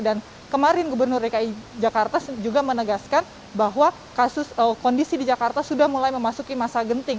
dan kemarin gubernur dki jakarta juga menegaskan bahwa kondisi di jakarta sudah mulai memasuki masa genting